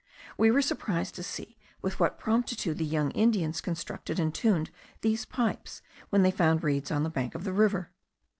We were surprised to see with what promptitude the young Indians constructed and tuned these pipes, when they found reeds on the bank of the river.